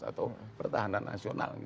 atau pertahanan nasional